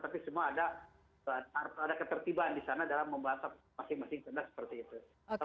tapi semua ada ketertiban di sana dalam membahas masing masing tenda seperti itu